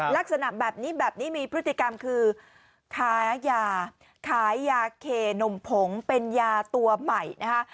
ลักษณะแบบนี้แบบนี้มีพฤติกรรมคือขายยาขายยาเคนมผงเป็นยาตัวใหม่นะคะ